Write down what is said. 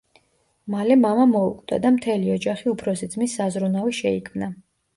მალე მამა მოუკვდა და მთელი ოჯახი უფროსი ძმის საზრუნავი შეიქმნა.